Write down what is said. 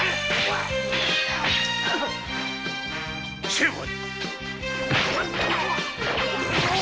成敗！